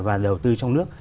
và đầu tư trong nước